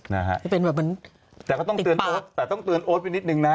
นะฮะไม่เป็นแบบนี้แต่ก็ต้องตอนนี้แนวแต่ต้องเตือนโอ๊ตไปนิดหนึ่งนะ